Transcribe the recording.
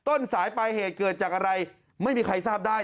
ต้นสายปลายเหตุเกิดจากอะไรไม่มีใครทราบได้